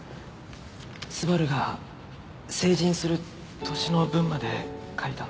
昴が成人する年の分まで書いたんだ。